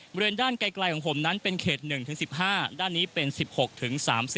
บริเวณด้านไกลของผมนั้นเป็นเขต๑๑๕ด้านนี้เป็น๑๖ถึง๓๐